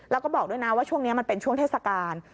แล้วก็บอกด้วยนะว่าช่วงนี้มันเป็นช่วงเทศกาล